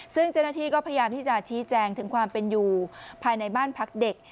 ซึ่งเจ้าหน้าที่ก็พยายามที่จะชี้แจงถึงความเป็นอยู่ภายในบ้านพักเด็ก